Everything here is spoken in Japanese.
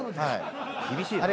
厳しいな。